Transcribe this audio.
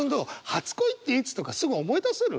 初恋っていつとかすぐ思い出せる？